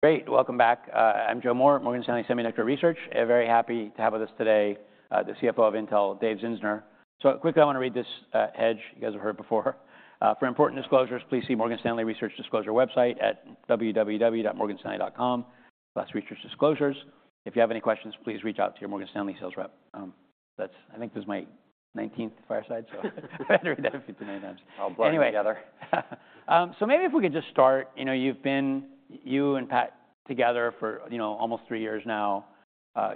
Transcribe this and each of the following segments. Great. Welcome back. I'm Joe Moore, Morgan Stanley Semiconductor Research. Very happy to have with us today, the CFO of Intel, Dave Zinsner. So quickly, I want to read this, which you guys have heard before. For important disclosures, please see Morgan Stanley Research Disclosure website at www.morganstanley.com/researchdisclosures. If you have any questions, please reach out to your Morgan Stanley sales rep. That's I think this is my 19th fireside, so I've had to read that a few too many times. I'll blur it together. Anyway, so maybe if we could just start, you know, you've been you and Pat together for, you know, almost three years now.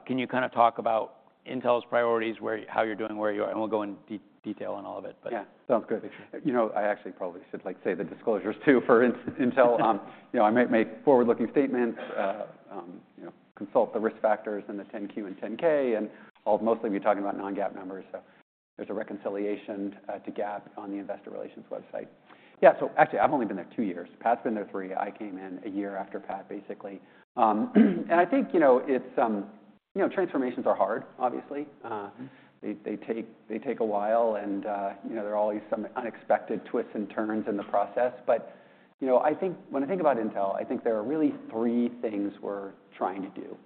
Can you kind of talk about Intel's priorities, where, how you're doing, where you are? And we'll go in detail on all of it, but. Yeah. Sounds good. You know, I actually probably should, like, say the disclosures too for Intel. You know, I might make forward-looking statements. You know, consult the risk factors and the 10-Q and 10-K, and I'll mostly be talking about non-GAAP numbers. So there's a reconciliation to GAAP on the Investor Relations website. Yeah. So actually, I've only been there two years. Pat's been there three. I came in a year after Pat, basically. And I think, you know, it's, you know, transformations are hard, obviously. They take a while. And, you know, I think when I think about Intel, I think there are really three things we're trying to do.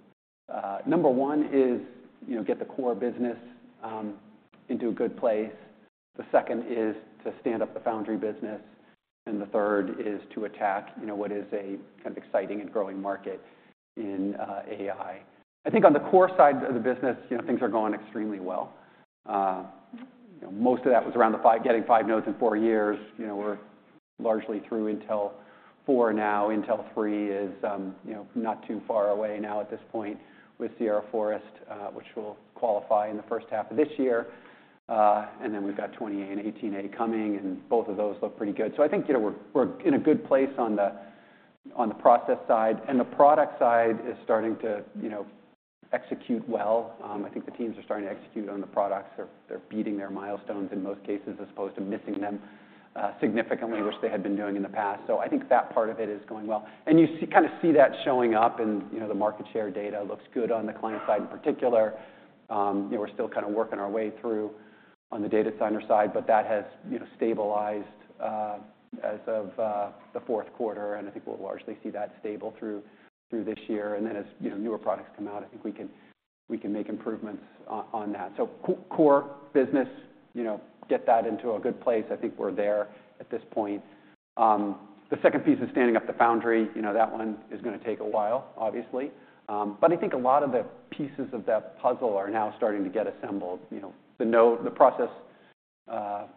Number one is, you know, get the core business into a good place. The second is to stand up the foundry business. The third is to attack, you know, what is a kind of exciting and growing market in AI. I think on the core side of the business, you know, things are going extremely well. You know, most of that was around the 5 getting 5 nodes in 4 years. You know, we're largely through Intel 4 now. Intel 3 is, you know, not too far away now at this point with Sierra Forest, which will qualify in the first half of this year. And then we've got 20A and 18A coming. And both of those look pretty good. So I think, you know, we're in a good place on the process side. And the product side is starting to, you know, execute well. I think the teams are starting to execute on the products. They're beating their milestones in most cases as opposed to missing them, significantly, which they had been doing in the past. So I think that part of it is going well. And you see kind of that showing up in, you know, the market share data. It looks good on the client side in particular. You know, we're still kind of working our way through on the data center side. But that has, you know, stabilized, as of the fourth quarter. And I think we'll largely see that stable through this year. And then as, you know, newer products come out, I think we can make improvements on that. So core business, you know, get that into a good place. I think we're there at this point. The second piece is standing up the foundry. You know, that one is going to take a while, obviously. But I think a lot of the pieces of that puzzle are now starting to get assembled. You know, the node, the process,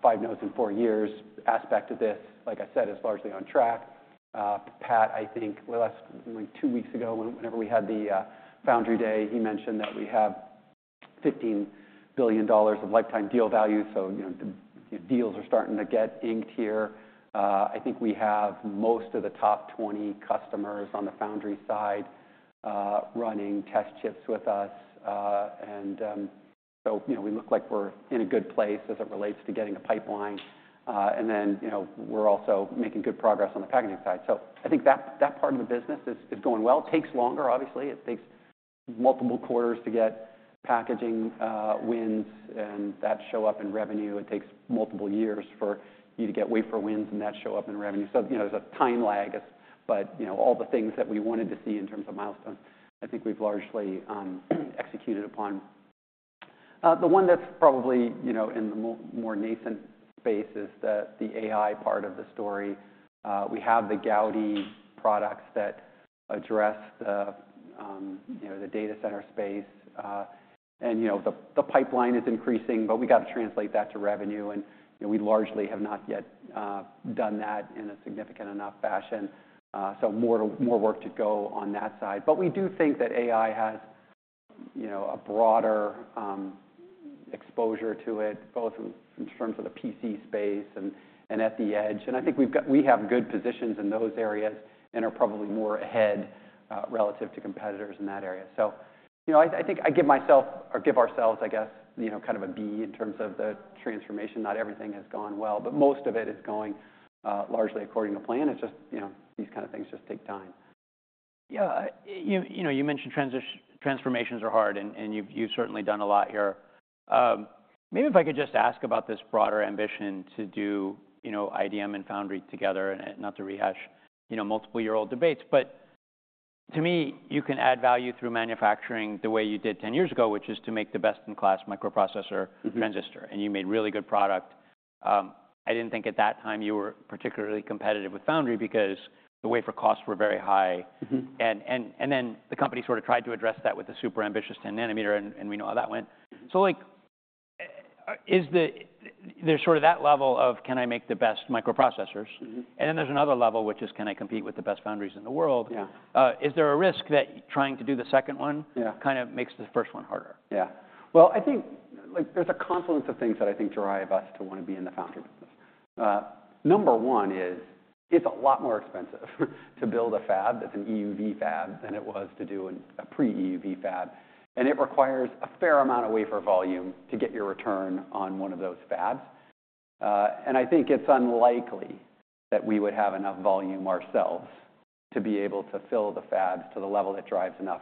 five nodes in four years aspect of this, like I said, is largely on track. Pat, I think, well, last, like, two weeks ago, whenever we had the Foundry Day, he mentioned that we have $15 billion of lifetime deal value. So, you know, deals are starting to get inked here. I think we have most of the top 20 customers on the foundry side, running test chips with us. So, you know, we look like we're in a good place as it relates to getting a pipeline. Then, you know, we're also making good progress on the packaging side. So I think that part of the business is going well. It takes longer, obviously. It takes multiple quarters to get packaging wins. And that shows up in revenue. It takes multiple years for you to get wafer wins. And that shows up in revenue. So, you know, there's a time lag. But, you know, all the things that we wanted to see in terms of milestones, I think we've largely executed upon. The one that's probably, you know, in the more nascent space is the AI part of the story. We have the Gaudi products that address the, you know, the data center space. And, you know, the pipeline is increasing. But we've got to translate that to revenue. And, you know, we largely have not yet done that in a significant enough fashion. So more to more work to go on that side. But we do think that AI has, you know, a broader exposure to it, both in terms of the PC space and at the edge. And I think we've got we have good positions in those areas and are probably more ahead, relative to competitors in that area. So, you know, I think I give myself or give ourselves, I guess, you know, kind of a B in terms of the transformation. Not everything has gone well. But most of it is going, largely according to plan. It's just, you know, these kind of things just take time. Yeah. You know, you mentioned transition transformations are hard. And you've certainly done a lot here. Maybe if I could just ask about this broader ambition to do, you know, IDM and foundry together and not to rehash, you know, multiple-year-old debates. But to me, you can add value through manufacturing the way you did 10 years ago, which is to make the best-in-class microprocessor transistor. And you made really good product. I didn't think at that time you were particularly competitive with foundry because the wafer costs were very high. And then the company sort of tried to address that with the super ambitious 10-nanometer. And we know how that went. So, like, is there sort of that level of, can I make the best microprocessors? And then there's another level, which is, can I compete with the best foundries in the world? Is there a risk that trying to do the second one kind of makes the first one harder? Yeah. Well, I think, like, there's a confluence of things that I think drive us to want to be in the foundry business. Number one is, it's a lot more expensive to build a fab that's an EUV fab than it was to do a pre-EUV fab. And it requires a fair amount of wafer volume to get your return on one of those fabs. And I think it's unlikely that we would have enough volume ourselves to be able to fill the fabs to the level that drives enough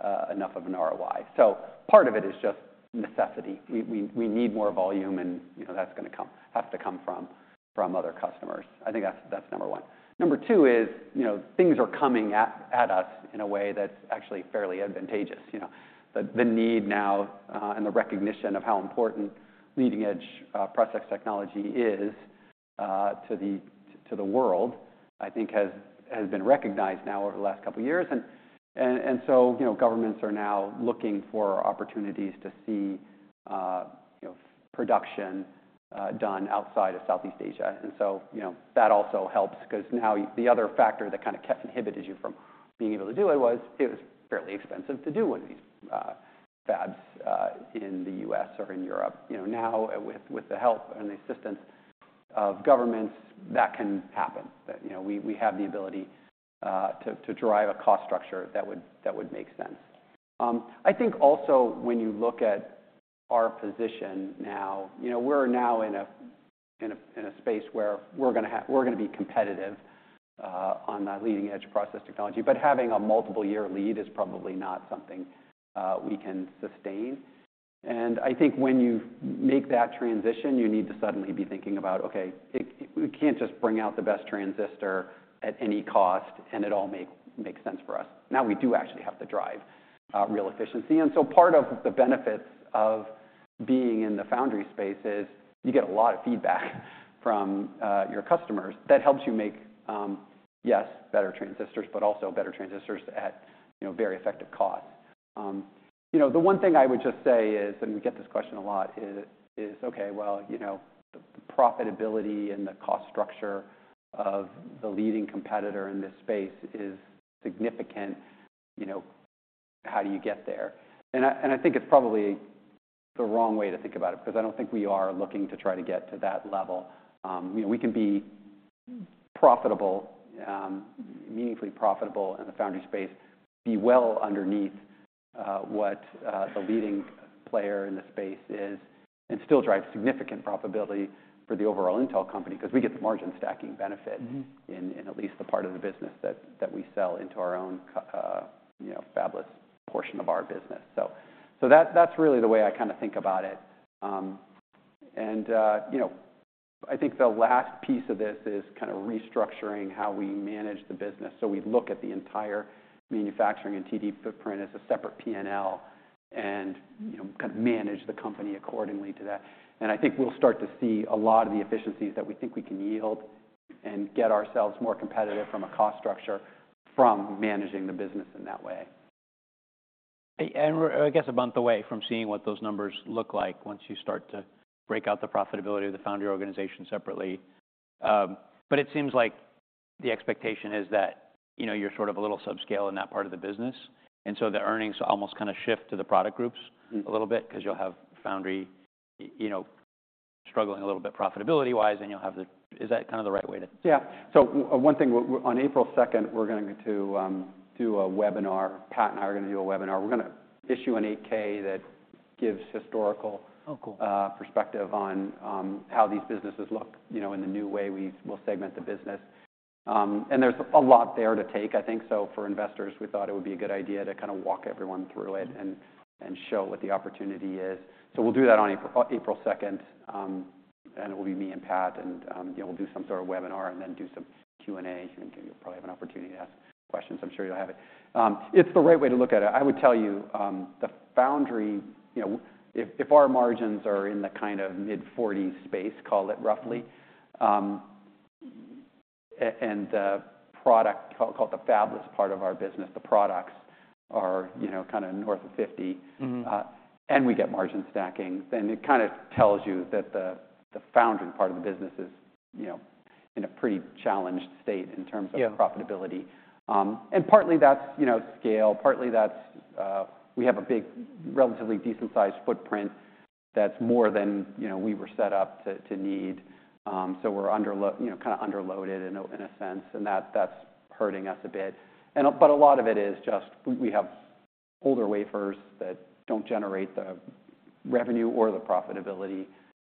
of an ROI. So part of it is just necessity. We need more volume. And, you know, that's going to come have to come from other customers. I think that's number one. Number two is, you know, things are coming at us in a way that's actually fairly advantageous. You know, the need now and the recognition of how important leading-edge process technology is to the world, I think, has been recognized now over the last couple of years. And so, you know, governments are now looking for opportunities to see, you know, production done outside of Southeast Asia. And so, you know, that also helps. Because now the other factor that kind of inhibited you from being able to do it was, it was fairly expensive to do one of these fabs in the U.S. or in Europe. You know, now with the help and the assistance of governments, that can happen. You know, we have the ability to drive a cost structure that would make sense. I think also, when you look at our position now, you know, we're now in a space where we're going to be competitive on the leading-edge process technology. But having a multiple-year lead is probably not something we can sustain. And I think when you make that transition, you need to suddenly be thinking about, OK, we can't just bring out the best transistor at any cost and it all make sense for us. Now, we do actually have to drive real efficiency. And so part of the benefits of being in the foundry space is, you get a lot of feedback from your customers. That helps you make, yes, better transistors, but also better transistors at very effective costs. You know, the one thing I would just say is, and we get this question a lot, is, OK, well, you know, the profitability and the cost structure of the leading competitor in this space is significant. You know, how do you get there? And I think it's probably the wrong way to think about it. Because I don't think we are looking to try to get to that level. You know, we can be profitable, meaningfully profitable in the foundry space, be well underneath what the leading player in the space is, and still drive significant profitability for the overall Intel company. Because we get the margin stacking benefit in at least the part of the business that we sell into our own, you know, fabless portion of our business. So that's really the way I kind of think about it. And, you know, I think the last piece of this is kind of restructuring how we manage the business. So we look at the entire manufacturing and TD footprint as a separate P&L and kind of manage the company accordingly to that. I think we'll start to see a lot of the efficiencies that we think we can yield and get ourselves more competitive from a cost structure from managing the business in that way. We're, I guess, a month away from seeing what those numbers look like once you start to break out the profitability of the foundry organization separately. But it seems like the expectation is that, you know, you're sort of a little subscale in that part of the business. And so the earnings almost kind of shift to the product groups a little bit. Because you'll have foundry, you know, struggling a little bit profitability-wise. And you'll have the. Is that kind of the right way to? Yeah. So one thing, on April 2nd, we're going to do a webinar. Pat and I are going to do a webinar. We're going to issue an 8-K that gives historical perspective on how these businesses look, you know, in the new way we'll segment the business. And there's a lot there to take, I think. So for investors, we thought it would be a good idea to kind of walk everyone through it and show what the opportunity is. So we'll do that on April 2nd. And it will be me and Pat. And we'll do some sort of webinar and then do some Q&A. And you'll probably have an opportunity to ask questions. I'm sure you'll have it. It's the right way to look at it. I would tell you, the foundry, you know, if our margins are in the kind of mid-40s space, call it roughly, and the product, call it the fabless part of our business, the products are, you know, kind of north of 50, and we get margin stacking, then it kind of tells you that the foundry part of the business is, you know, in a pretty challenged state in terms of profitability. And partly, that's, you know, scale. Partly, that's we have a big, relatively decent-sized footprint that's more than, you know, we were set up to need. So we're under, you know, kind of underloaded in a sense. And that's hurting us a bit. But a lot of it is just, we have older wafers that don't generate the revenue or the profitability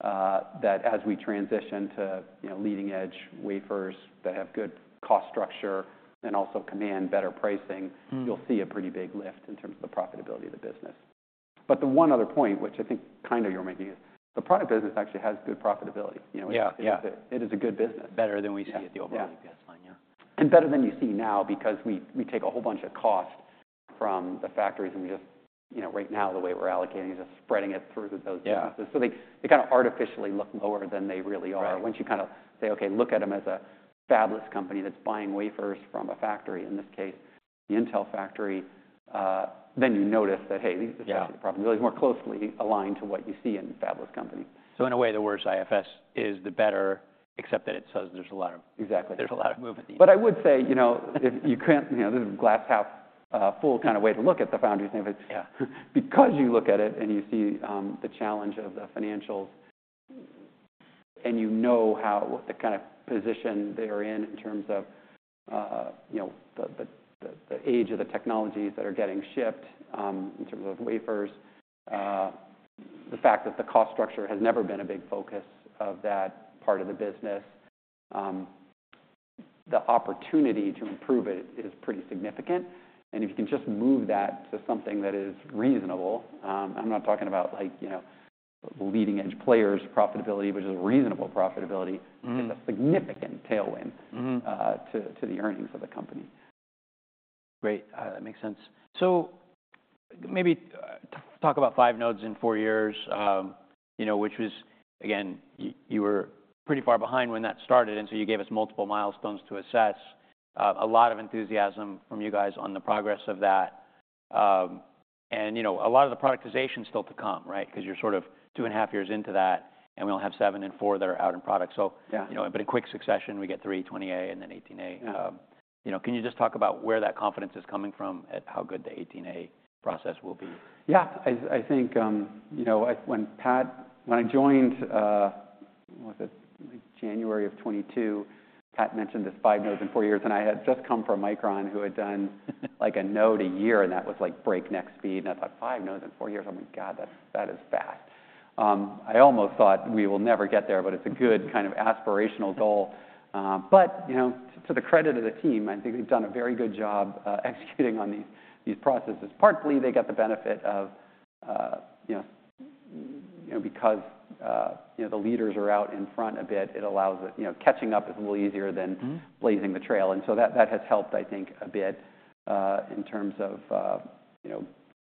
that, as we transition to leading-edge wafers that have good cost structure and also command better pricing, you'll see a pretty big lift in terms of the profitability of the business. But the one other point, which I think kind of you're making, is, the product business actually has good profitability. You know, it is a good business. Better than we see at the overall UPS line, yeah. And better than you see now. Because we take a whole bunch of cost from the factories. And we just, you know, right now, the way we're allocating is just spreading it through those businesses. So they kind of artificially look lower than they really are. Once you kind of say, OK, look at them as a fabless company that's buying wafers from a factory, in this case, the Intel factory, then you notice that, hey, the profitability is more closely aligned to what you see in fabless companies. So in a way, the worse IFS is, the better, except that it says there's a lot of movement. Exactly. But I would say, you know, if you can't, you know, this is a glass-half-full kind of way to look at the foundry thing. But because you look at it and you see the challenge of the financials and you know the kind of position they're in in terms of, you know, the age of the technologies that are getting shipped in terms of wafers, the fact that the cost structure has never been a big focus of that part of the business, the opportunity to improve it is pretty significant. And if you can just move that to something that is reasonable, I'm not talking about, like, you know, leading-edge players' profitability, which is a reasonable profitability, it's a significant tailwind to the earnings of the company. Great. That makes sense. So maybe talk about 5 nodes in 4 years, you know, which was, again, you were pretty far behind when that started. And so you gave us multiple milestones to assess, a lot of enthusiasm from you guys on the progress of that. And, you know, a lot of the productization is still to come, right? Because you're sort of two and a half years into that. And we only have 7 and 4 that are out in product. So, you know, but in quick succession, we get 3, 20A, and then 18A. You know, can you just talk about where that confidence is coming from at how good the 18A process will be? Yeah. I think, you know, when Pat when I joined, was it January of 2022, Pat mentioned this 5 nodes in 4 years. And I had just come from Micron, who had done, like, a node a year. And that was, like, breakneck speed. And I thought, 5 nodes in 4 years? Oh my god, that is fast. I almost thought, we will never get there. But it's a good kind of aspirational goal. But, you know, to the credit of the team, I think they've done a very good job executing on these processes. Partly, they got the benefit of, you know, because the leaders are out in front a bit, it allows that, you know, catching up is a little easier than blazing the trail. And so that has helped, I think, a bit in terms of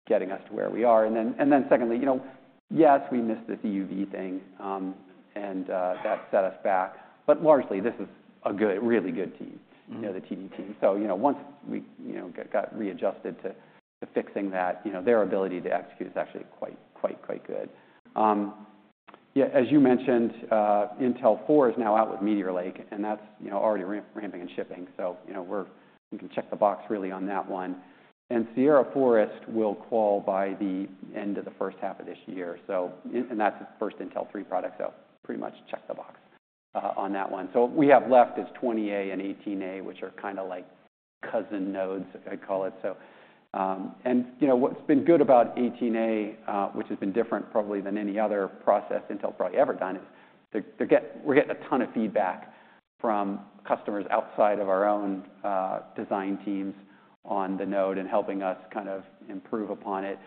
getting us to where we are. Then secondly, you know, yes, we missed this EUV thing. And that set us back. But largely, this is a good, really good team, you know, the TD team. So, you know, once we got readjusted to fixing that, you know, their ability to execute is actually quite, quite, quite good. Yeah, as you mentioned, Intel 4 is now out with Meteor Lake. And that's, you know, already ramping and shipping. So, you know, we can check the box, really, on that one. And Sierra Forest will qual by the end of the first half of this year. And that's the first Intel 3 product. So pretty much check the box on that one. So what we have left is 20A and 18A, which are kind of like cousin nodes, I'd call it. You know, what's been good about 18A, which has been different probably than any other process Intel's probably ever done, is, we're getting a ton of feedback from customers outside of our own design teams on the node and helping us kind of improve upon it.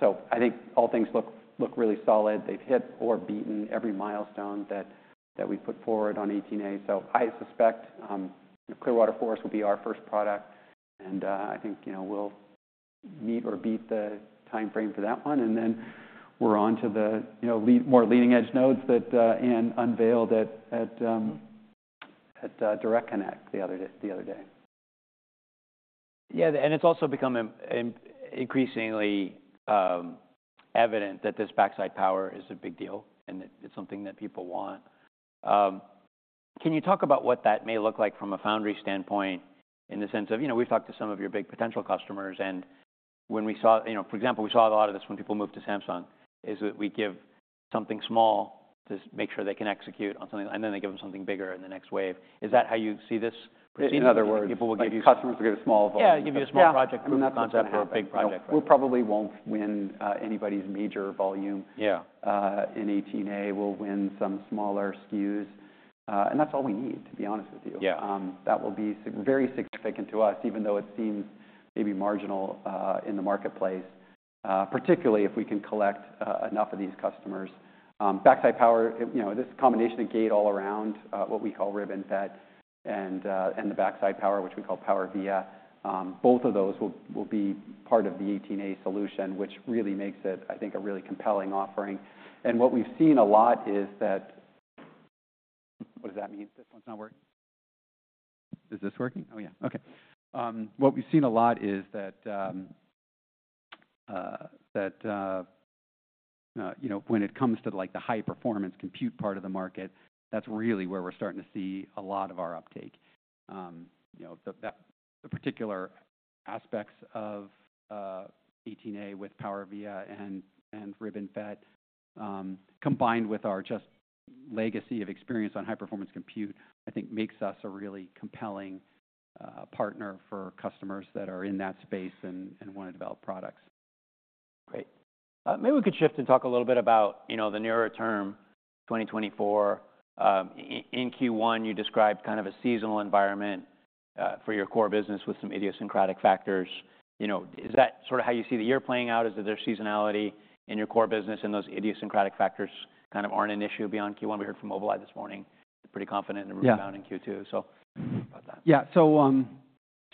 So I think all things look really solid. They've hit or beaten every milestone that we put forward on 18A. So I suspect Clearwater Forest will be our first product. I think, you know, we'll meet or beat the time frame for that one. Then we're on to the more leading-edge nodes that Ann unveiled at Direct Connect the other day. Yeah. It's also become increasingly evident that this backside power is a big deal and that it's something that people want. Can you talk about what that may look like from a foundry standpoint in the sense of, you know, we've talked to some of your big potential customers? When we saw, you know, for example, we saw a lot of this when people moved to Samsung, is that we give something small to make sure they can execute on something? Then they give them something bigger in the next wave. Is that how you see this proceeding? In other words, customers will give you small volumes. Yeah, give you a small project group concept or a big project group. We probably won't win anybody's major volume in 18A. We'll win some smaller SKUs. That's all we need, to be honest with you. That will be very significant to us, even though it seems maybe marginal in the marketplace, particularly if we can collect enough of these customers. Backside power, you know, this combination of gate-all-around, what we call RibbonFET, and the backside power, which we call PowerVia, both of those will be part of the 18A solution, which really makes it, I think, a really compelling offering. And what we've seen a lot is that what does that mean? This one's not working. Is this working? Oh, yeah. OK. What we've seen a lot is that, you know, when it comes to, like, the high-performance compute part of the market, that's really where we're starting to see a lot of our uptake. You know, the particular aspects of 18A with PowerVia and RibbonFET, combined with our just legacy of experience on high-performance compute, I think makes us a really compelling partner for customers that are in that space and want to develop products. Great. Maybe we could shift and talk a little bit about, you know, the nearer term, 2024. In Q1, you described kind of a seasonal environment for your core business with some idiosyncratic factors. You know, is that sort of how you see the year playing out? Is there seasonality in your core business? And those idiosyncratic factors kind of aren't an issue beyond Q1? We heard from Mobileye this morning. They're pretty confident in the rebound in Q2. So what about that? Yeah.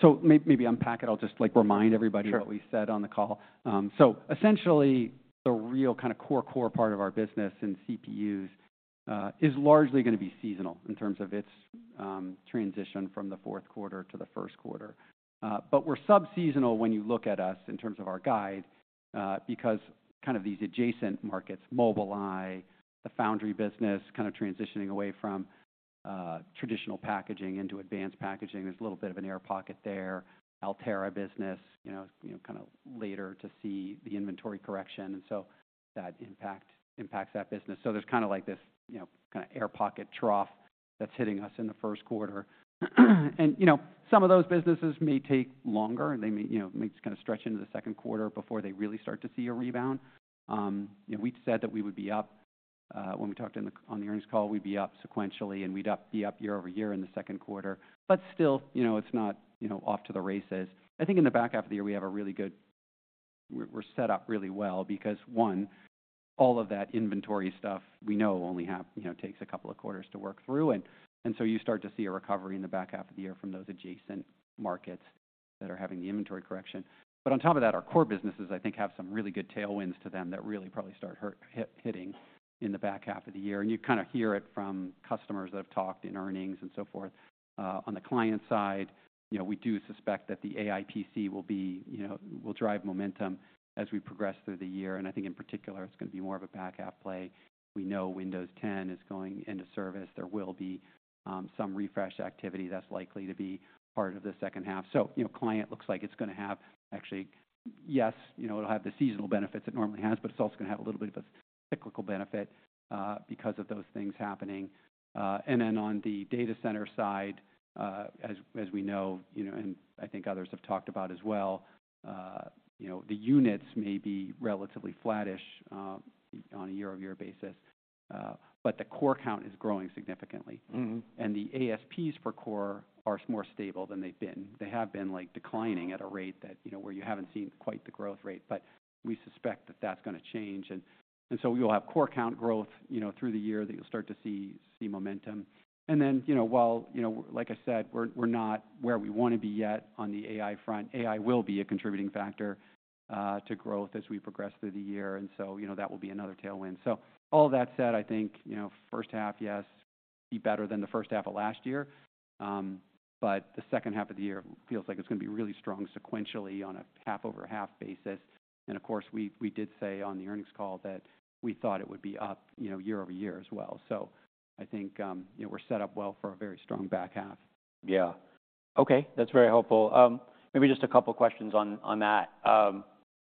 So maybe unpack it. I'll just, like, remind everybody what we said on the call. So essentially, the real kind of core, core part of our business in CPUs is largely going to be seasonal in terms of its transition from the fourth quarter to the first quarter. But we're subseasonal when you look at us in terms of our guide. Because kind of these adjacent markets, Mobileye, the foundry business kind of transitioning away from traditional packaging into advanced packaging, there's a little bit of an air pocket there. Altera business, you know, kind of later to see the inventory correction. And so that impacts that business. So there's kind of like this, you know, kind of air pocket trough that's hitting us in the first quarter. And, you know, some of those businesses may take longer. They may, you know, may kind of stretch into the second quarter before they really start to see a rebound. You know, we'd said that we would be up. When we talked on the earnings call, we'd be up sequentially. And we'd be up year over year in the second quarter. But still, you know, it's not, you know, off to the races. I think in the back half of the year, we have a really good we're set up really well. Because, one, all of that inventory stuff, we know, only takes a couple of quarters to work through. And so you start to see a recovery in the back half of the year from those adjacent markets that are having the inventory correction. But on top of that, our core businesses, I think, have some really good tailwinds to them that really probably start hitting in the back half of the year. And you kind of hear it from customers that have talked in earnings and so forth. On the client side, you know, we do suspect that the AI PC will be, you know, will drive momentum as we progress through the year. And I think, in particular, it's going to be more of a back half play. We know Windows 10 is going into service. There will be some refresh activity that's likely to be part of the second half. So, you know, client looks like it's going to have actually, yes, you know, it'll have the seasonal benefits it normally has. But it's also going to have a little bit of a cyclical benefit because of those things happening. And then on the data center side, as we know, you know, and I think others have talked about as well, you know, the units may be relatively flatish on a year-over-year basis. But the core count is growing significantly. And the ASPs for core are more stable than they've been. They have been, like, declining at a rate that, you know, where you haven't seen quite the growth rate. But we suspect that that's going to change. And so you'll have core count growth, you know, through the year that you'll start to see momentum. And then, you know, while, you know, like I said, we're not where we want to be yet on the AI front, AI will be a contributing factor to growth as we progress through the year. And so, you know, that will be another tailwind. So all of that said, I think, you know, first half, yes, be better than the first half of last year. But the second half of the year feels like it's going to be really strong sequentially on a half over half basis. And of course, we did say on the earnings call that we thought it would be up, you know, year over year as well. So I think, you know, we're set up well for a very strong back half. Yeah. OK. That's very helpful. Maybe just a couple of questions on that.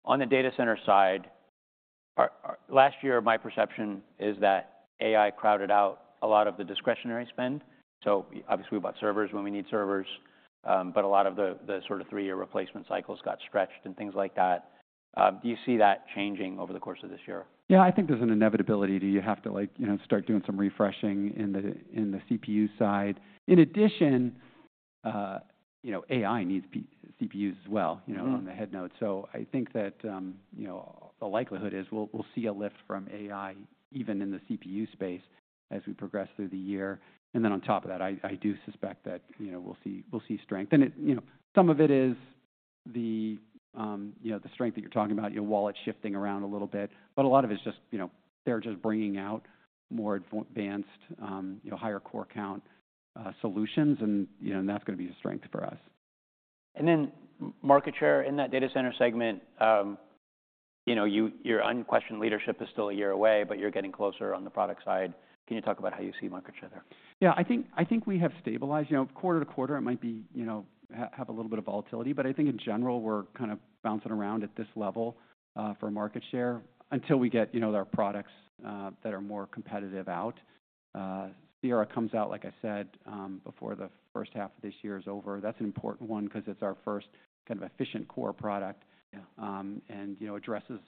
On the data center side, last year, my perception is that AI crowded out a lot of the discretionary spend. So obviously, we bought servers when we need servers. But a lot of the sort of three-year replacement cycles got stretched and things like that. Do you see that changing over the course of this year? Yeah. I think there's an inevitability. You have to, like, you know, start doing some refreshing in the CPU side. In addition, you know, AI needs CPUs as well, you know, on the head node. So I think that, you know, the likelihood is, we'll see a lift from AI even in the CPU space as we progress through the year. And then on top of that, I do suspect that, you know, we'll see strength. And it, you know, some of it is the, you know, the strength that you're talking about, you know, wallet shifting around a little bit. But a lot of it is just, you know, they're just bringing out more advanced, you know, higher core count solutions. And, you know, that's going to be a strength for us. Market share in that data center segment, you know, your unquestioned leadership is still a year away. But you're getting closer on the product side. Can you talk about how you see market share there? Yeah. I think we have stabilized. You know, quarter to quarter, it might be, you know, have a little bit of volatility. But I think, in general, we're kind of bouncing around at this level for market share until we get, you know, our products that are more competitive out. Sierra comes out, like I said, before the first half of this year is over. That's an important one because it's our first kind of efficient core product. And, you know, addresses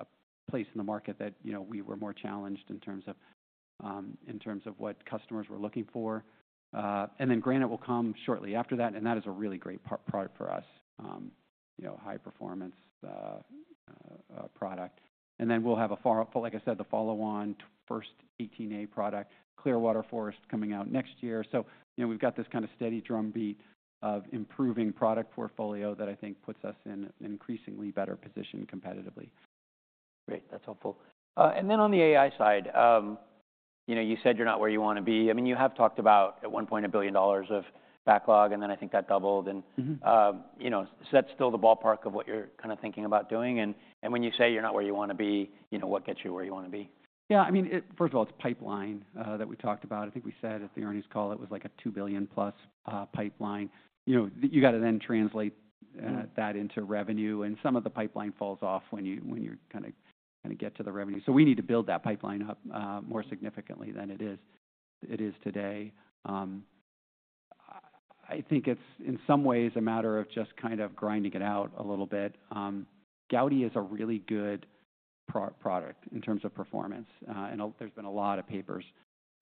a place in the market that, you know, we were more challenged in terms of in terms of what customers were looking for. And then Granite will come shortly after that. And that is a really great product for us, you know, high-performance product. And then we'll have a, like I said, the follow-on first 18A product, Clearwater Forest, coming out next year. You know, we've got this kind of steady drumbeat of improving product portfolio that I think puts us in an increasingly better position competitively. Great. That's helpful. And then on the AI side, you know, you said you're not where you want to be. I mean, you have talked about, at one point, $1 billion of backlog. And then I think that doubled. And, you know, is that still the ballpark of what you're kind of thinking about doing? And when you say you're not where you want to be, you know, what gets you where you want to be? Yeah. I mean, first of all, it's pipeline that we talked about. I think we said at the earnings call it was like a $2 billion plus pipeline. You know, you got to then translate that into revenue. And some of the pipeline falls off when you kind of get to the revenue. So we need to build that pipeline up more significantly than it is today. I think it's, in some ways, a matter of just kind of grinding it out a little bit. Gaudi is a really good product in terms of performance. And there's been a lot of papers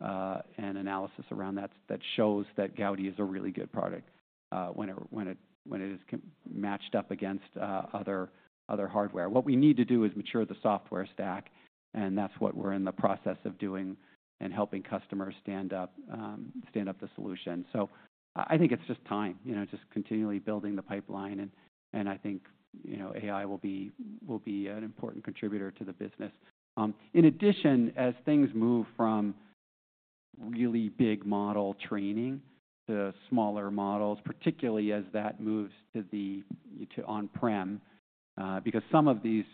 and analysis around that that shows that Gaudi is a really good product when it is matched up against other hardware. What we need to do is mature the software stack. And that's what we're in the process of doing and helping customers stand up the solution. So I think it's just time, you know, just continually building the pipeline. I think, you know, AI will be an important contributor to the business. In addition, as things move from really big model training to smaller models, particularly as that moves to the on-prem, because some of these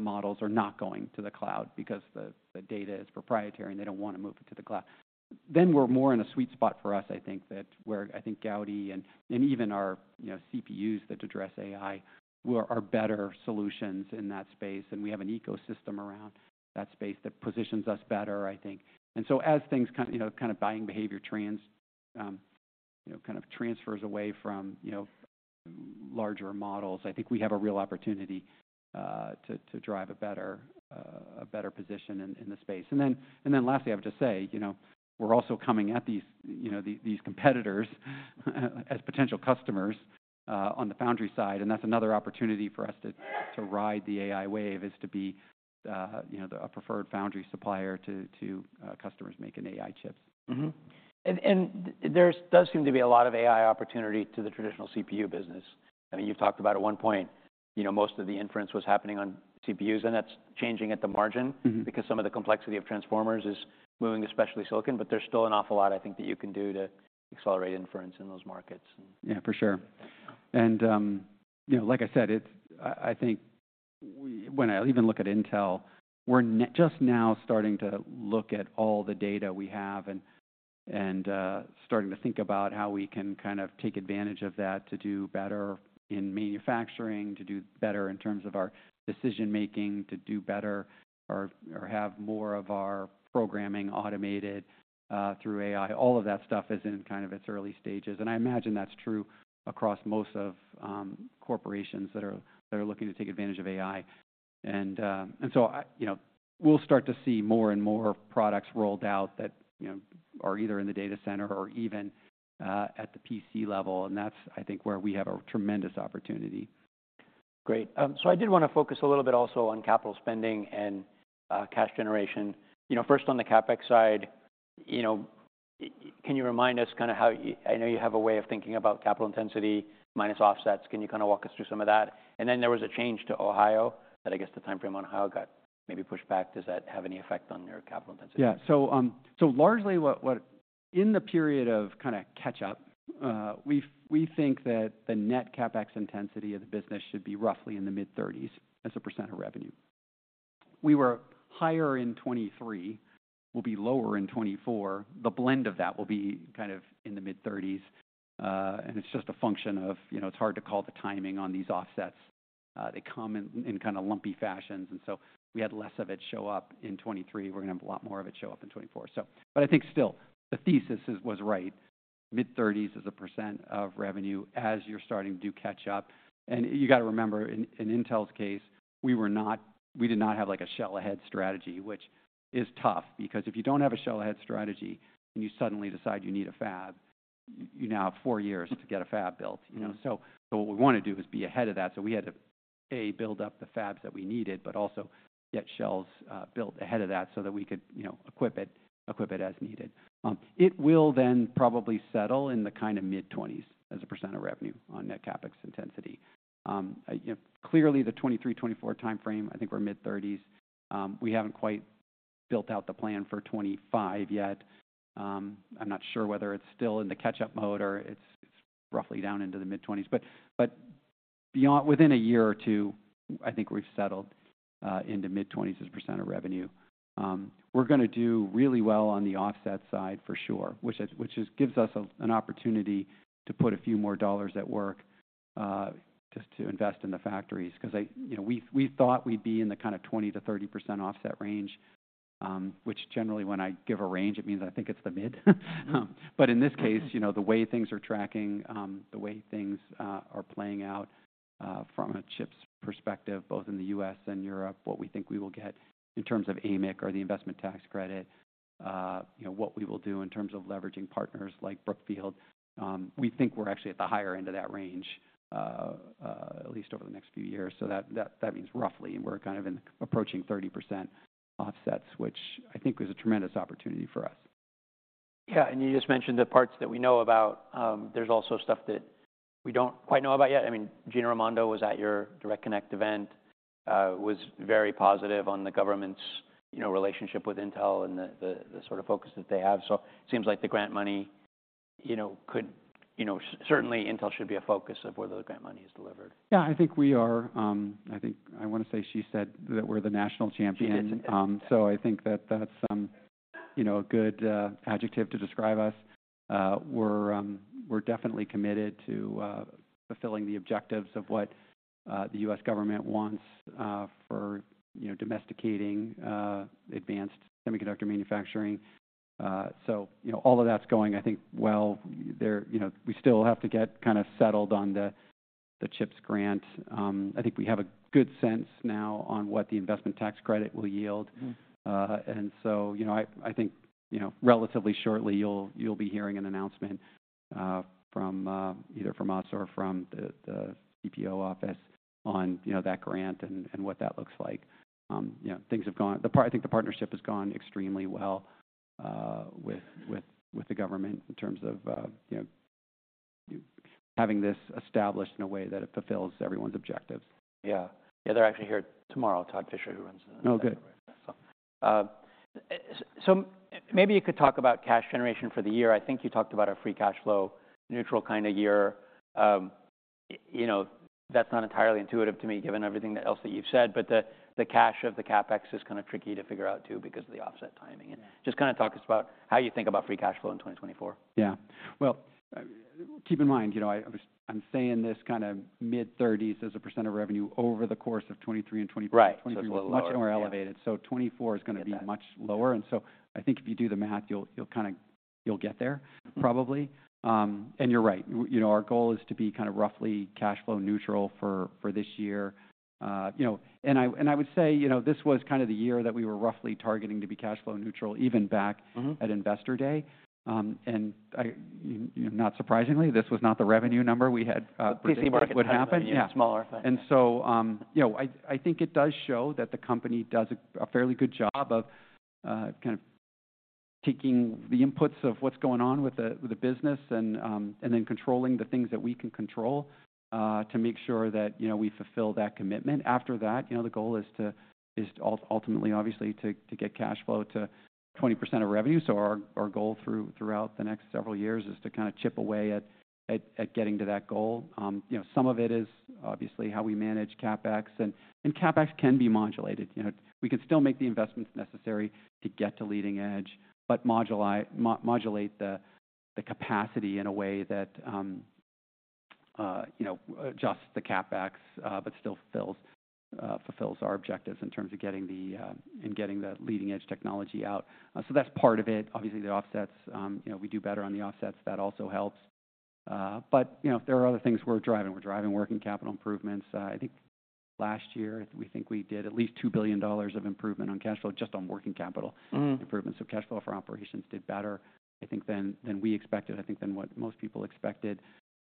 models are not going to the cloud because the data is proprietary. And they don't want to move it to the cloud. Then we're more in a sweet spot for us, I think, that where I think Gaudi and even our CPUs that address AI are better solutions in that space. And we have an ecosystem around that space that positions us better, I think. And so as things kind of buying behavior kind of transfers away from larger models, I think we have a real opportunity to drive a better position in the space. And then lastly, I have to say, you know, we're also coming at these competitors as potential customers on the foundry side. And that's another opportunity for us to ride the AI wave, is to be, you know, a preferred foundry supplier to customers making AI chips. There does seem to be a lot of AI opportunity to the traditional CPU business. I mean, you've talked about at one point, you know, most of the inference was happening on CPUs. And that's changing at the margin because some of the complexity of transformers is moving, especially silicon. But there's still an awful lot, I think, that you can do to accelerate inference in those markets. Yeah, for sure. And, you know, like I said, I think when I even look at Intel, we're just now starting to look at all the data we have and starting to think about how we can kind of take advantage of that to do better in manufacturing, to do better in terms of our decision making, to do better or have more of our programming automated through AI. All of that stuff is in kind of its early stages. And I imagine that's true across most of corporations that are looking to take advantage of AI. And so, you know, we'll start to see more and more products rolled out that, you know, are either in the data center or even at the PC level. And that's, I think, where we have a tremendous opportunity. Great. So I did want to focus a little bit also on capital spending and cash generation. You know, first on the CapEx side, you know, can you remind us kind of how I know you have a way of thinking about capital intensity minus offsets. Can you kind of walk us through some of that? And then there was a change to Ohio that, I guess, the time frame on Ohio got maybe pushed back. Does that have any effect on your capital intensity? Yeah. So largely, in the period of kind of catch-up, we think that the net CapEx intensity of the business should be roughly in the mid-30s% of revenue. We were higher in 2023. We'll be lower in 2024. The blend of that will be kind of in the mid-30s%. And it's just a function of, you know, it's hard to call the timing on these offsets. They come in kind of lumpy fashions. And so we had less of it show up in 2023. We're going to have a lot more of it show up in 2024. But I think, still, the thesis was right. Mid-30s% of revenue as you're starting to do catch-up. And you got to remember, in Intel's case, we did not have, like, a Shell Ahead strategy, which is tough. Because if you don't have a Shell Ahead strategy and you suddenly decide you need a fab, you now have 4 years to get a fab built, you know? So what we want to do is be ahead of that. So we had to, A, build up the fabs that we needed, but also get shells built ahead of that so that we could, you know, equip it as needed. It will then probably settle in the kind of mid-20s as a % of revenue on net CapEx intensity. Clearly, the 2023, 2024 time frame, I think we're mid-30s. We haven't quite built out the plan for 2025 yet. I'm not sure whether it's still in the catch-up mode or it's roughly down into the mid-20s. But within a year or two, I think we've settled into mid-20s as a % of revenue. We're going to do really well on the offset side, for sure, which gives us an opportunity to put a few more dollars at work just to invest in the factories. Because I, you know, we thought we'd be in the kind of 20%-30% offset range, which, generally, when I give a range, it means I think it's the mid. But in this case, you know, the way things are tracking, the way things are playing out from a CHIPS perspective, both in the U.S. and Europe, what we think we will get in terms of CHIPS or the investment tax credit, you know, what we will do in terms of leveraging partners like Brookfield, we think we're actually at the higher end of that range, at least over the next few years. So that means roughly. We're kind of approaching 30% offsets, which I think is a tremendous opportunity for us. Yeah. And you just mentioned the parts that we know about. There's also stuff that we don't quite know about yet. I mean, Gina Raimondo was at your Direct Connect event, was very positive on the government's, you know, relationship with Intel and the sort of focus that they have. So it seems like the grant money, you know, could, you know, certainly, Intel should be a focus of where the grant money is delivered. Yeah. I think we are. I think I want to say she said that we're the national champion. So I think that that's, you know, a good adjective to describe us. We're definitely committed to fulfilling the objectives of what the U.S. government wants for, you know, domesticating advanced semiconductor manufacturing. So, you know, all of that's going, I think, well. You know, we still have to get kind of settled on the chips grant. I think we have a good sense now on what the investment tax credit will yield. And so, you know, I think, you know, relatively shortly, you'll be hearing an announcement either from us or from the CPO office on, you know, that grant and what that looks like. You know, things have gone I think the partnership has gone extremely well with the government in terms of, you know, having this established in a way that it fulfills everyone's objectives. Yeah. Yeah. They're actually here tomorrow, Todd Fisher, who runs the network. So maybe you could talk about cash generation for the year. I think you talked about a free cash flow neutral kind of year. You know, that's not entirely intuitive to me, given everything else that you've said. But the cash of the CapEx is kind of tricky to figure out, too, because of the offset timing. And just kind of talk to us about how you think about free cash flow in 2024. Yeah. Well, keep in mind, you know, I'm saying this kind of mid-30s as a % of revenue over the course of 2023 and 2024. Right. So it's lower. Much more elevated. So 2024 is going to be much lower. And so I think if you do the math, you'll kind of get there, probably. And you're right. You know, our goal is to be kind of roughly cash flow neutral for this year. You know, and I would say, you know, this was kind of the year that we were roughly targeting to be cash flow neutral, even back at Investor Day. And not surprisingly, this was not the revenue number we had predicted would happen. The PC market would be smaller. And so, you know, I think it does show that the company does a fairly good job of kind of taking the inputs of what's going on with the business and then controlling the things that we can control to make sure that, you know, we fulfill that commitment. After that, you know, the goal is ultimately, obviously, to get cash flow to 20% of revenue. So our goal throughout the next several years is to kind of chip away at getting to that goal. You know, some of it is, obviously, how we manage CapEx. And CapEx can be modulated. You know, we can still make the investments necessary to get to leading edge, but modulate the capacity in a way that, you know, adjusts the CapEx but still fulfills our objectives in terms of getting the leading edge technology out. So that's part of it. Obviously, the offsets, you know, we do better on the offsets. That also helps. But, you know, there are other things we're driving. We're driving working capital improvements. I think last year, we think we did at least $2 billion of improvement on cash flow just on working capital improvements. So cash flow for operations did better, I think, than we expected, I think, than what most people expected.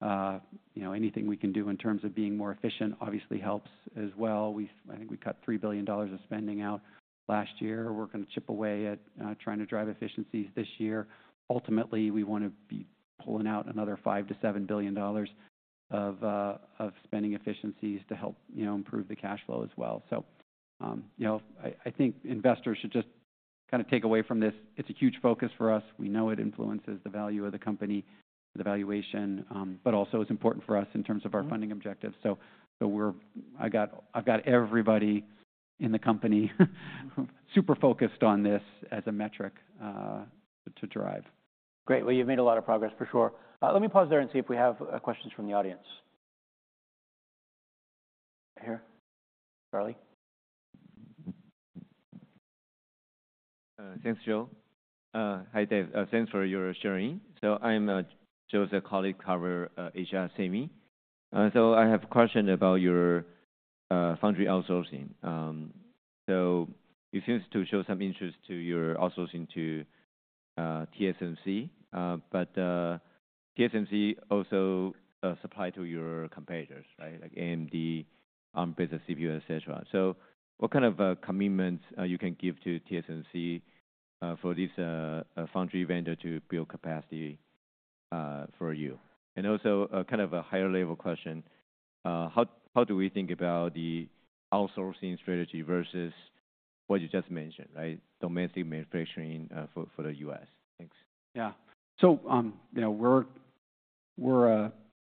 You know, anything we can do in terms of being more efficient, obviously, helps as well. I think we cut $3 billion of spending out last year. We're going to chip away at trying to drive efficiencies this year. Ultimately, we want to be pulling out another $5-$7 billion of spending efficiencies to help, you know, improve the cash flow as well. So, you know, I think investors should just kind of take away from this, it's a huge focus for us. We know it influences the value of the company, the valuation. But also, it's important for us in terms of our funding objectives. So I've got everybody in the company super focused on this as a metric to drive. Great. Well, you've made a lot of progress, for sure. Let me pause there and see if we have questions from the audience. Here? Charlie? Thanks, Joe. Hi, Dave. Thanks for your sharing. So I'm Joe's colleague, Charlie from Morgan Stanley. So I have a question about your foundry outsourcing. So it seems to show some interest to your outsourcing to TSMC. But TSMC also supplies to your competitors, right, like AMD, Arm-based CPU, et cetera. So what kind of commitments you can give to TSMC for this foundry vendor to build capacity for you? And also, kind of a higher-level question, how do we think about the outsourcing strategy versus what you just mentioned, right, domestic manufacturing for the U.S.? Thanks. Yeah. So, you know, we're a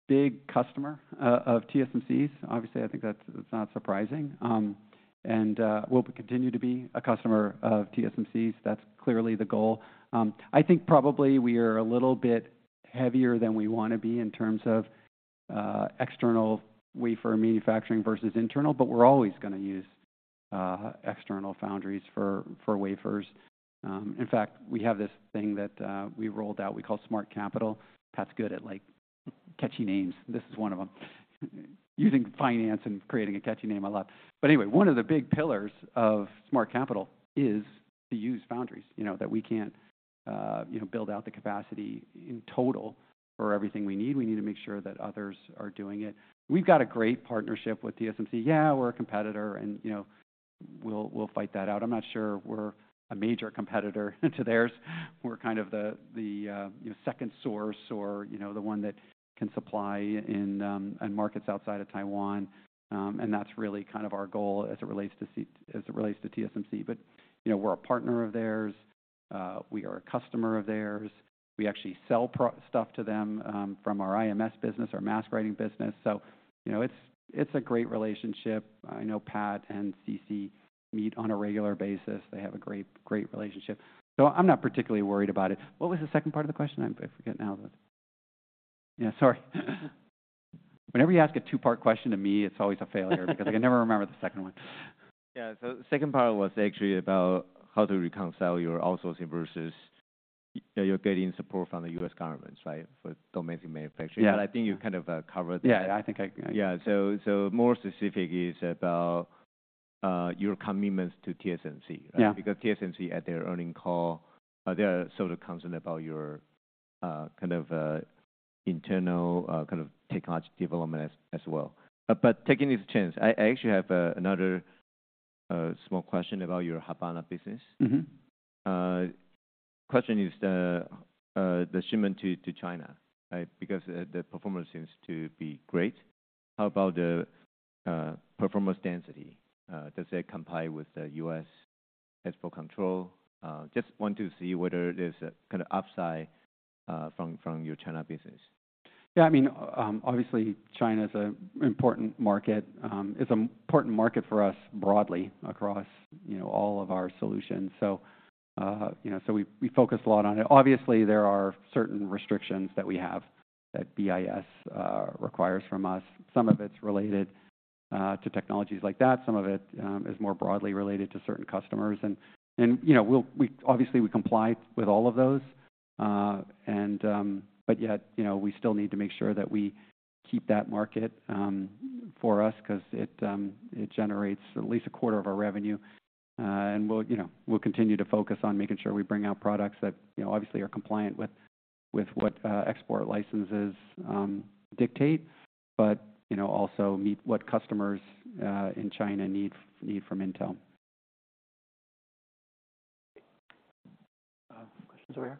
big customer of TSMC's. Obviously, I think that's not surprising. And we'll continue to be a customer of TSMC's. That's clearly the goal. I think, probably, we are a little bit heavier than we want to be in terms of external wafer manufacturing versus internal. But we're always going to use external foundries for wafers. In fact, we have this thing that we rolled out. We call it Smart Capital. Pat's good at, like, catchy names. This is one of them. Using finance and creating a catchy name, I love. But anyway, one of the big pillars of Smart Capital is to use foundries, you know, that we can't, you know, build out the capacity in total for everything we need. We need to make sure that others are doing it. We've got a great partnership with TSMC. Yeah, we're a competitor. You know, we'll fight that out. I'm not sure we're a major competitor to theirs. We're kind of the second source or, you know, the one that can supply in markets outside of Taiwan. And that's really kind of our goal as it relates to TSMC. But, you know, we're a partner of theirs. We are a customer of theirs. We actually sell stuff to them from our IMS business, our mask writing business. So, you know, it's a great relationship. I know Pat and Cece meet on a regular basis. They have a great relationship. So I'm not particularly worried about it. What was the second part of the question? I forget now. Yeah, sorry. Whenever you ask a two-part question to me, it's always a failure because I can never remember the second one. Yeah. So the second part was actually about how to reconcile your outsourcing versus your getting support from the U.S. governments, right, for domestic manufacturing. But I think you kind of covered that. Yeah. I think I. Yeah. So more specific is about your commitments to TSMC, right? Because TSMC, at their earnings call, they're sort of concerned about your kind of internal kind of technology development as well. But taking this chance, I actually have another small question about your Habana business. The question is the shipment to China, right, because the performance seems to be great. How about the performance density? Does it comply with the U.S. export control? Just want to see whether there's kind of upside from your China business. Yeah. I mean, obviously, China is an important market. It's an important market for us broadly across, you know, all of our solutions. So, you know, we focus a lot on it. Obviously, there are certain restrictions that we have that BIS requires from us. Some of it's related to technologies like that. Some of it is more broadly related to certain customers. And, you know, obviously, we comply with all of those. But yet, you know, we still need to make sure that we keep that market for us because it generates at least a quarter of our revenue. And we'll, you know, continue to focus on making sure we bring out products that, you know, obviously, are compliant with what export licenses dictate, but, you know, also meet what customers in China need from Intel. Questions over here?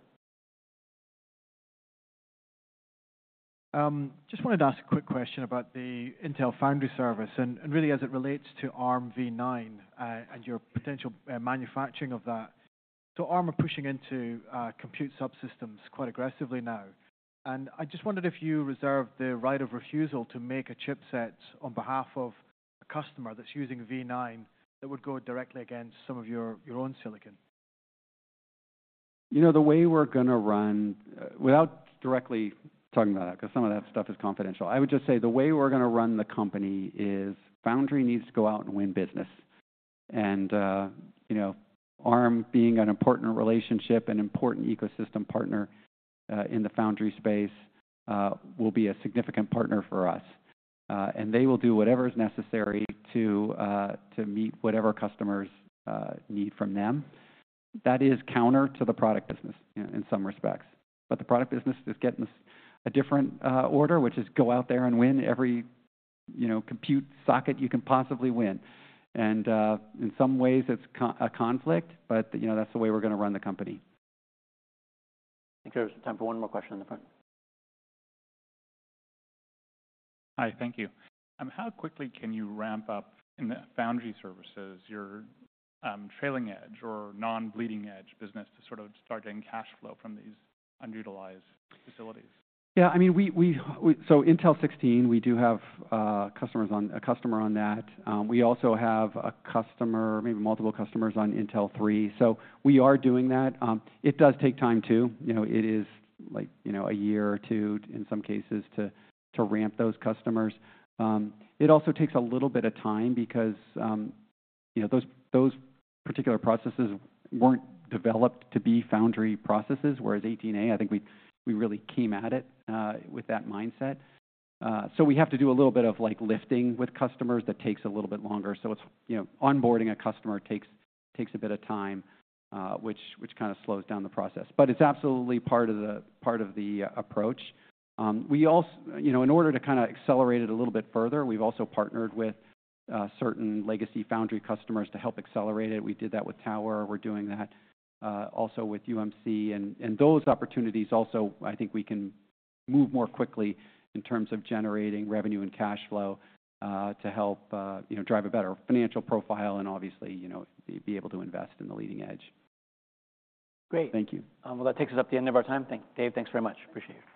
Just wanted to ask a quick question about the Intel Foundry Services and really, as it relates to Arm v9 and your potential manufacturing of that. Arm are pushing into compute subsystems quite aggressively now. I just wondered if you reserve the right of refusal to make a chipset on behalf of a customer that's using v9 that would go directly against some of your own silicon. You know, the way we're going to run, without directly talking about that because some of that stuff is confidential, I would just say the way we're going to run the company is foundry needs to go out and win business. And, you know, ARM being an important relationship, an important ecosystem partner in the foundry space will be a significant partner for us. And they will do whatever is necessary to meet whatever customers need from them. That is counter to the product business in some respects. But the product business is getting a different order, which is go out there and win every, you know, compute socket you can possibly win. And in some ways, it's a conflict. But, you know, that's the way we're going to run the company. I think there's time for one more question in the front. Hi. Thank you. How quickly can you ramp up in the foundry services your trailing edge or non-bleeding edge business to sort of start getting cash flow from these underutilized facilities? Yeah. I mean, so Intel 16, we do have a customer on that. We also have a customer, maybe multiple customers on Intel 3. So we are doing that. It does take time, too. You know, it is like, you know, a year or two, in some cases, to ramp those customers. It also takes a little bit of time because, you know, those particular processes weren't developed to be foundry processes, whereas 18A, I think we really came at it with that mindset. So we have to do a little bit of, like, lifting with customers. That takes a little bit longer. So it's, you know, onboarding a customer takes a bit of time, which kind of slows down the process. But it's absolutely part of the approach. We also, you know, in order to kind of accelerate it a little bit further, we've also partnered with certain legacy foundry customers to help accelerate it. We did that with Tower. We're doing that also with UMC. And those opportunities also, I think, we can move more quickly in terms of generating revenue and cash flow to help, you know, drive a better financial profile and, obviously, you know, be able to invest in the leading edge. Great. Thank you. Well, that takes us up to the end of our time. Thanks, Dave. Thanks very much. Appreciate it.